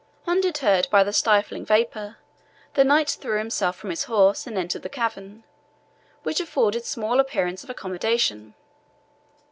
Undeterred by the stifling vapour, the knight threw himself from his horse and entered the cavern, which afforded small appearance of accommodation.